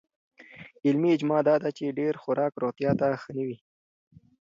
علمي اجماع دا ده چې ډېر خوراک روغتیا ته ښه نه دی.